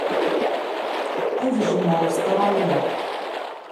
Ad jjmeɣ Ustṛalya.